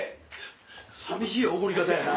寂しい送り方やなぁ。